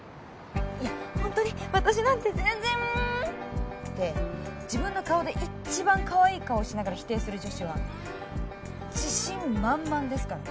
「いや本当に私なんて全然」って自分の顔で一番かわいい顔しながら否定する女子は自信満々ですから。